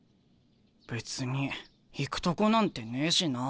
別に行くとこなんてねえしな。